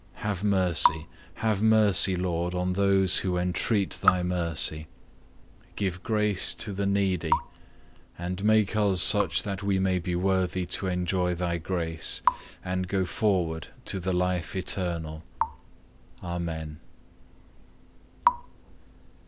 Have mercy, have mercy, Lord, on those who entreat Thy mercy; give grace to the needy; and make us such that we may be worthy to enjoy Thy grace, and go forward to the life eternal. Amen.